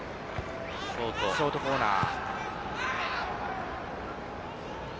ショートコーナー。